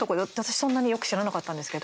そんなによく知らなかったんですけど。